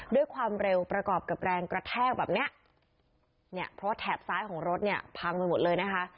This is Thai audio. ด้วยความเร็วประกอบกับแรงกระแทกแบบเนี้ยเนี่ยเพราะว่าแถบซ้ายของรถเนี่ยพังไปหมดเลยนะคะ